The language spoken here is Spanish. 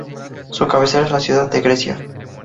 Su cabecera es la ciudad de Grecia.